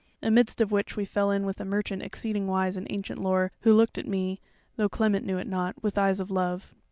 Amidst of which we fell in with a merchant exceeding wise in ancient lore, who looked at me (though Clement knew it not) with eyes of love.